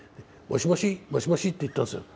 「もしもしもしもし」って言ったんですよ。